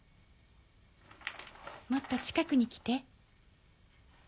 もっと近くに来て。